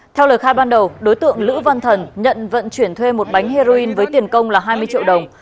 theo lời khai ban đầu đối tượng lữ văn thần nhận vận chuyển thuê một bánh heroin với tiền công là hai mươi triệu đồng